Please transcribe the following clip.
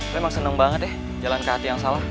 gue emang seneng banget ya jalan ke hati yang salah